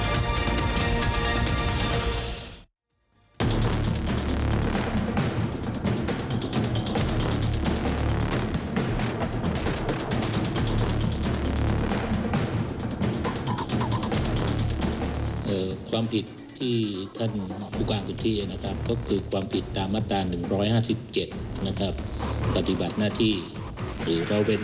ความผิดที่ท่านผู้การสุทธินะครับก็คือความผิดตามมาตรา๑๕๗นะครับปฏิบัติหน้าที่หรือเขาเป็น